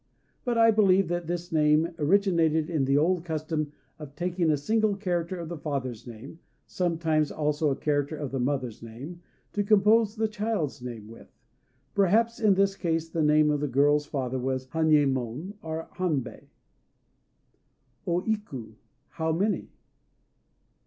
But I believe that this name originated in the old custom of taking a single character of the father's name sometimes also a character of the mother's name to compose the child's name with. Perhaps in this case the name of the girl's father was HANyémon, or HANbei. O Iku "How Many?"